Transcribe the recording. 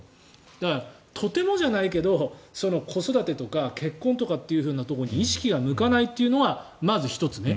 だから、とてもじゃないけど子育てとか結婚というところに意識が向かないというのがまず１つね。